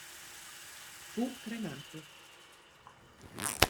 Fu cremato.